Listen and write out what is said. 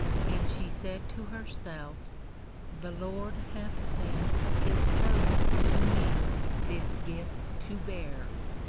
And she said to herself :" The Lord hath sent His servant to me this gift to bear."